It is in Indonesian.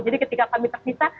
jadi ketika kami terpisah